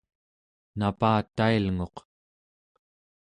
napatailnguq